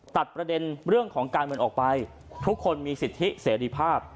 ตัดประเด็นเรื่องของการเงินออกไปทุกคนมีสิทธิเสรีภาพ